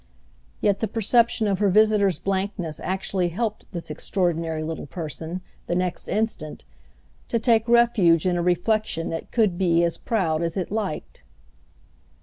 Yet the perception of her visitor's blankness actually helped this extraordinary little person, the next instant, to take refuge in a reflexion that could be as proud as it liked.